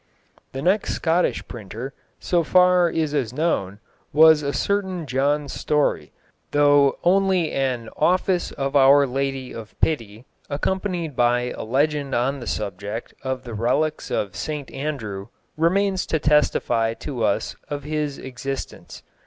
The next Scottish printer, so far as is known, was a certain John Story, though only an Office of Our Lady of Pity, accompanied by a legend on the subject of the relics of St Andrew, remains to testify to us of his existence.